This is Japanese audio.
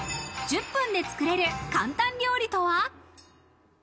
１０分で作れる簡単料理とは？